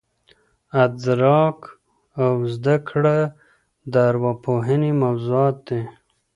ادراک او زده کړه د ارواپوهني موضوعات دي.